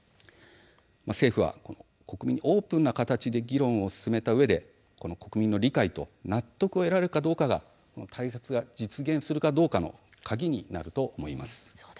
政府は国民にオープンな形で議論を進めたうえで国民の理解と納得を得られるかが対策が実現するかどうかの鍵になると思います。